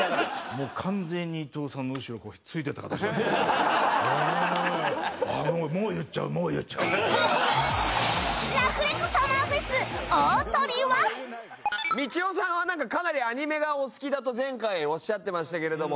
もう完全にラフレコサマーフェス大トリは？みちおさんはなんかかなりアニメがお好きだと前回おっしゃってましたけれども。